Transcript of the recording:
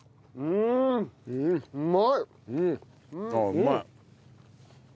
うまい！